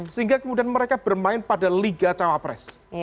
sehingga kemudian mereka bermain pada liga cawapres